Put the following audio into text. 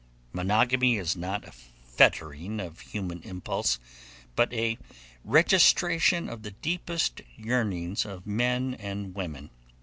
Monogamy is not a fettering of human impulse, but a registration of the deepest yearnings of men and women.